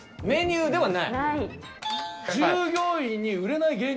メニューではない？